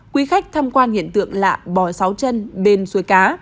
quý khách tham quan hiện tượng lạ bò sáu chân bên suối cá